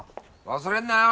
忘れんなよ。